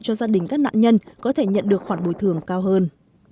cho gia đình các nạn nhân có thể nhận được khoản bồi thường cao hơn